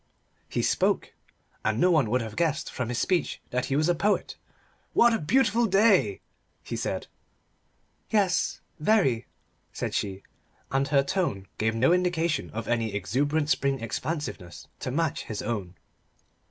He spoke. And no one would have guessed from his speech that he was a poet. "What a beautiful day!" he said. "Yes, very," said she, and her tone gave no indication of any exuberant spring expansiveness to match his own.